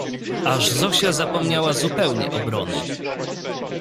Aż Zosia zapomniała zupełnie obrony